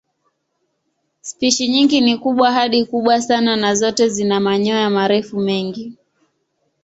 Spishi nyingi ni kubwa hadi kubwa sana na zote zina manyoya marefu mengi.